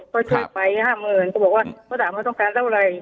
ก็ช่วยไปห้าหมื่นเขาบอกว่าเขาถามเขาต้องการเท่าไหร่